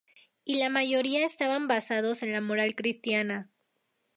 Y la mayoría estaban basados en la moral cristiana.